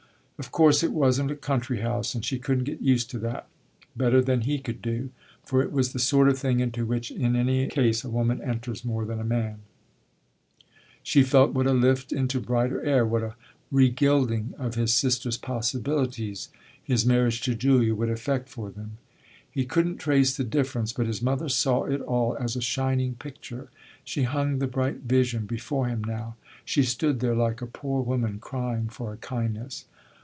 Of course it wasn't a country house, and she couldn't get used to that. Better than he could do for it was the sort of thing into which in any case a woman enters more than a man she felt what a lift into brighter air, what a regilding of his sisters' possibilities, his marriage to Julia would effect for them. He couldn't trace the difference, but his mother saw it all as a shining picture. She hung the bright vision before him now she stood there like a poor woman crying for a kindness.